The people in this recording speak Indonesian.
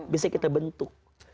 bisa kita bentuk